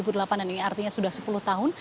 ini artinya sudah sepuluh tahun